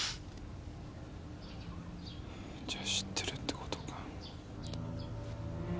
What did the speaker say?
じゃ知ってるってことか。